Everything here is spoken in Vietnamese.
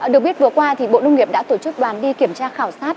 được biết vừa qua bộ nông nghiệp đã tổ chức đoàn đi kiểm tra khảo sát